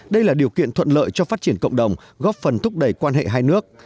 đây là điều kiện thuận lợi cho phát triển cộng đồng góp phần thúc đẩy quan hệ hai nước